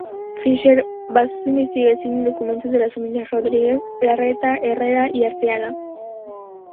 Fischer basó su investigación en documentos de las familias Rodríguez Larreta, Herrera y Arteaga.